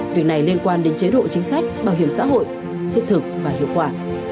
việc này liên quan đến chế độ chính sách bảo hiểm xã hội thiết thực và hiệu quả